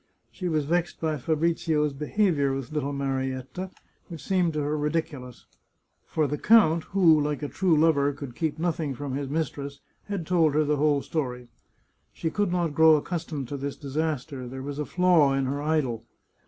She was vexed by Fabrizio's behaviour with little Marietta, which seemed to her ridiculous. For the count — who, like a true lover, could keep nothing from his mistress — had told her the whole story. She could not grow accustomed to this disaster; there was a flaw in her idol.